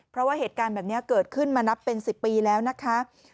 เพราะว่าเหตุการณ์แบบนี้เกิดขึ้นมานับเป็น๑๐ปีแล้วนะคะ